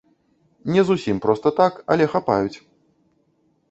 Не зусім проста так, але хапаюць.